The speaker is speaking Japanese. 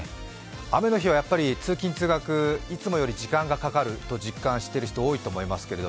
雨の日はやっぱり通勤・通学、いつもより時間がかかると実感してる人、多いと思います。